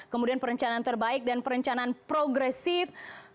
kemudian perencanaan terbaik dan perencanaan progresif